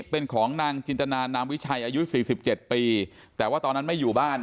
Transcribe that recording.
เป็นของนางจินตนานามวิชัยอายุ๔๗ปีแต่ว่าตอนนั้นไม่อยู่บ้าน